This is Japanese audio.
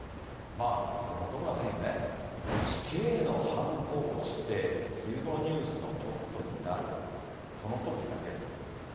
これ、本村さんね、死刑のはんこを押して昼のニュースのトップになる、そのときだけ。